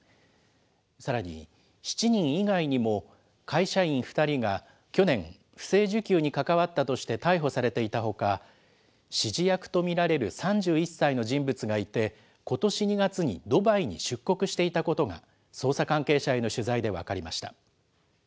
さらに、７人以外にも会社員２人が去年、不正受給に関わったとして逮捕されていたほか、指示役と見られる３１歳の人物がいて、ことし２月にドバイに出国していたことが、捜査関係者への取材で分かりました。